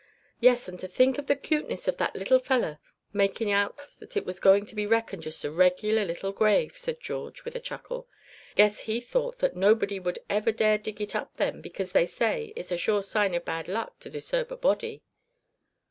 "Yes, and to think of the cuteness of that fellow makin' out that it was going to be reckoned just a regular little grave," said George, with a chuckle. "Guess he thought that nobody would ever dare dig it up then, because they say, it's sure a sign of bad luck to disturb a body."